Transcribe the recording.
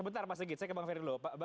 sebentar pak segit saya ke bang ferry dulu